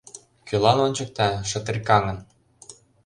Кӧлан ончыкта, шытиркаҥын